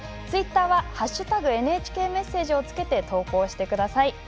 ツイッターは「＃ＮＨＫメッセージ」をつけて投稿してください。